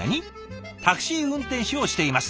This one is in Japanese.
「タクシー運転手をしています。